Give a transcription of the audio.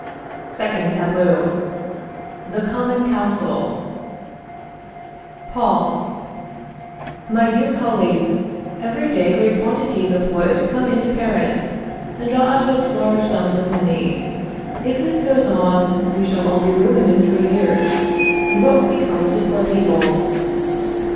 SECOND TABLEAU. The Common Council. Paul. My dear colleagues, every day great quantities of wood come into Paris, and draw out of it large sums of money. If this goes on, we shall all be ruined in three years, and what will become of the poor people?